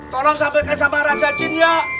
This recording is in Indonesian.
tolong sampaikan sama raja jin ya